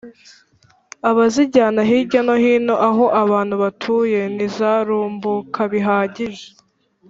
abazijyana hirya no hino aho abantu batuye ntizarumbuka bihagije.